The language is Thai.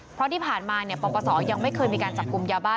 เพราะที่ผ่านมาปปศยังไม่เคยมีการจับกลุ่มยาบ้า